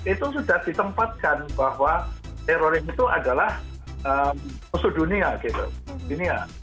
itu sudah ditempatkan bahwa teroris itu adalah musuh dunia gitu dunia